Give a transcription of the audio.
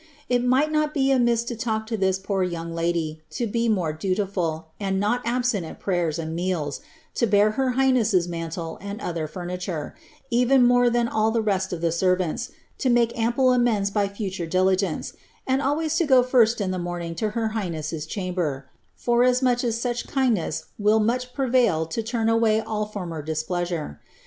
It might not be amiss to talk to this poor young lady to be more dutiful, and not absent at prayers and meals, to bear her highness' mantle and other furniture, even more than all the rest of the servants, to make ample amends by future diligence, and always to go first in the morning to her highness' chamber^ foras much as such kindness wiiJ much prevail to turn nwvy bXV Iotisax ^>& '108 BLIZABBTH. pleasure.